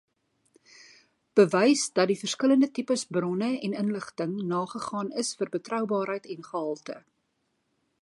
Bewys dat die verskillende tipes bronne en inligting nagegaan is vir betroubaarheid en gehalte.